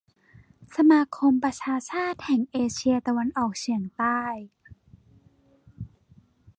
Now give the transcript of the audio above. สมาคมประชาชาติแห่งเอเชียตะวันออกเฉียงใต้